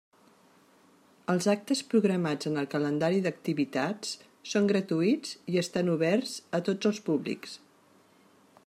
Els actes programats en el Calendari d'activitats són gratuïts i estan oberts a tots els públics.